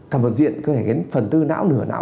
cả một diện có thể đến phần tư não nửa não